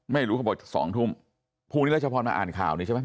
ไม่รู้เขาบอกสองทุ่มพรุ่งนี้แล้วเฉพาะมาอ่านข่าวนี้ใช่ไหม